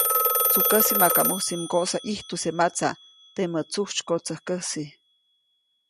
‒Tsukäsi maka mujsi mgoʼsa ʼijtuse matsa, temä tsujtsykotsäjkäsi-.